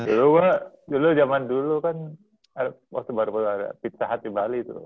dulu gue dulu zaman dulu kan waktu baru baru pizza hut di bali tuh